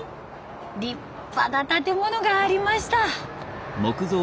立派な建物がありました。